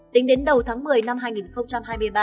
tính đến đầu tháng một mươi năm hai nghìn hai mươi ba